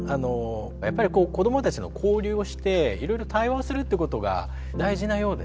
やっぱり子どもたちと交流をしていろいろ対話をするってことが大事なようですね。